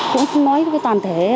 cũng nói với toàn thể